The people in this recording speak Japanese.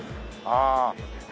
ああ。